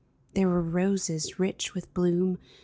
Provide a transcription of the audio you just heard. There were roses, rich with bloom.